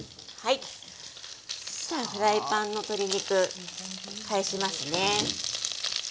さあフライパンの鶏肉返しますね。